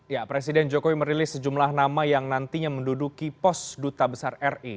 ya presiden jokowi merilis sejumlah nama yang nantinya menduduki pos duta besar ri